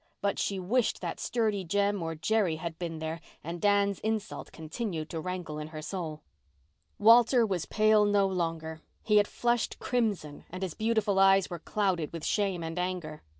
But she wished that sturdy Jem or Jerry had been there and Dan's insult continued to rankle in her soul. Walter was pale no longer. He had flushed crimson and his beautiful eyes were clouded with shame and anger.